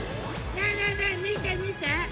ねえねえねえみてみて！